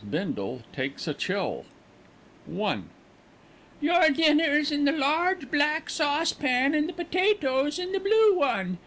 BINDLE TAKES A CHILL I "Your dinner's in the large black saucepan and the potatoes in the blue one.